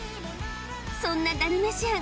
そんなダルメシアン